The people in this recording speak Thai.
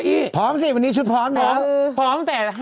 นี่ขอบความที่เอด่ะแม่